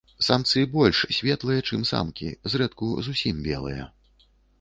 Самцы больш светлыя, чым самкі, зрэдку зусім белыя.